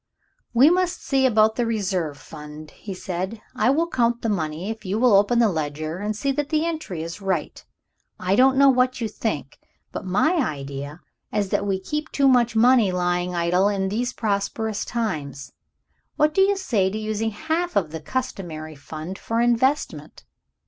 "We must see about the Reserve Fund," he said; "I will count the money, if you will open the ledger and see that the entry is right. I don't know what you think, but my idea is that we keep too much money lying idle in these prosperous times. What do you say to using half of the customary fund for investment?